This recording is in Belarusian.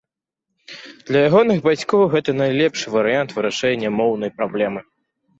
Для ягоных бацькоў гэта найлепшы варыянт вырашэння моўнай праблемы.